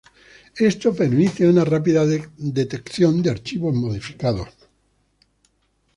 Esto permite una rápida detección de archivos modificados.